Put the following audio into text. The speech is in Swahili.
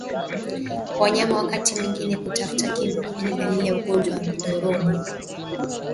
Wanyama wakati mwingine kutafuta kivuli ni dalili ya ugonjwa wa ndorobo